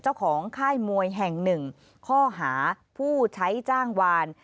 ค่ายมวยแห่งหนึ่งข้อหาผู้ใช้จ้างวาน